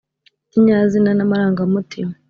ikinyazina n’amarangamutima